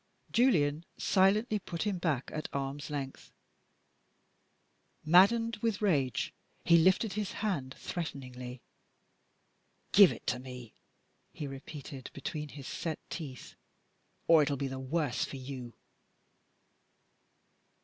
Julian silently put him back at arms length. Maddened with rage, he lifted his hand threateningly. "Give it to me!" he repeated between his set teeth, "or it will be the worse for you!"